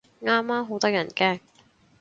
啱啊，好得人驚